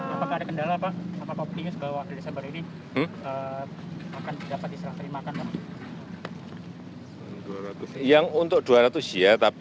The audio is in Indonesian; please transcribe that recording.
apakah ada kendala pak sama pak opius bahwa desember ini akan dapat diserahkan